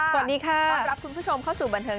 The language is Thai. ต้อนรับคุณผู้ชมเข้าสู่บันเทิง